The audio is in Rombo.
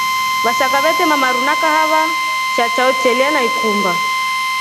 Vashaka vetema maru na kahava sha chao chelya na ikumba.